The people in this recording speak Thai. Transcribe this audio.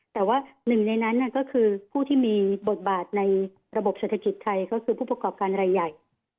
แต่ว่าหนึ่งในนั้นก็คือผู้ที่มีบทบาทในระบบเศรษฐกิจไทยก็คือผู้ประกอบการรายใหญ่